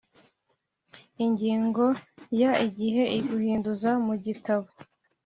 Ingingo ya igihe cyo guhinduza mu gitabo